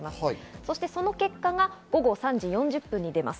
そしてその結果が午後３時４０分に出ます。